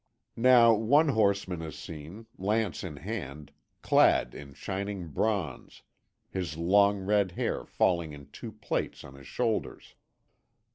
"Now one horseman is seen, lance in hand, clad in shining bronze, his long red hair falling in two plaits on his shoulders.